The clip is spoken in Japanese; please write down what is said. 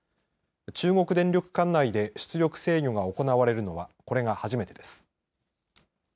中国電力管内で出力制御が行われるのはこれが初めてです。